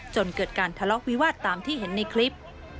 จนเกิดการทะเลาะวิวาสตามที่เห็นในคลิป